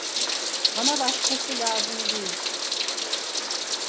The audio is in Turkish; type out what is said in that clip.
Bana başkası lazım değil…